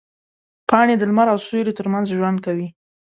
پاڼې د لمر او سیوري ترمنځ ژوند کوي.